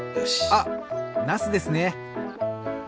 あっなすですね。